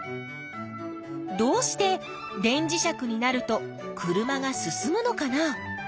どうして電磁石になると車が進むのかな？